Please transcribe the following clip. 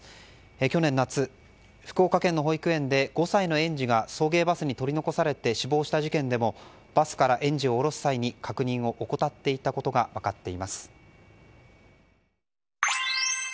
去年夏、福岡県の保育園で５歳の園児が送迎バスに取り残されて死亡した事件でもバスから園児をおろす際に確認を怠っていたいたことが分かっています。